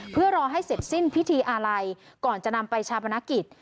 เพื่อรอให้เสร็จสิ้นพิธีอาลัยก่อนจะนำไปชาปนกิจ